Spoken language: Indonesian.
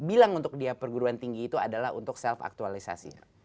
bilang untuk dia perguruan tinggi itu adalah untuk self aktualisasi